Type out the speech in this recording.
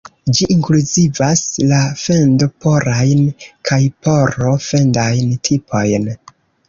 Ĝi inkluzivas la fendo-porajn kaj poro-fendajn tipojn.